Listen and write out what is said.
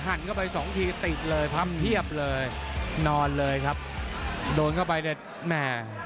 หันเข้าไปสองทีติดเลยทำเพียบเลยนอนเลยครับโดนเข้าไปเลยแม่